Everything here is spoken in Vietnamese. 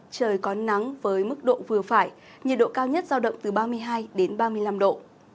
trời có nắng với mức độ vừa phải nhiệt độ cao nhất giao động từ ba mươi hai đến ba mươi năm độ